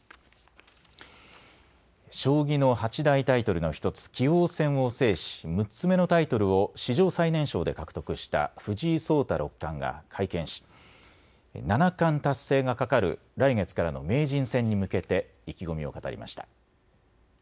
将棋の八大タイトルの１つ、棋王戦を制し６つ目のタイトルを史上最年少で獲得した藤井聡太六冠が会見し七冠達成がかかる来月からの名人戦に向けて意気込みを語りました。